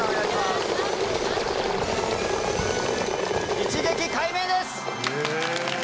一撃解明です！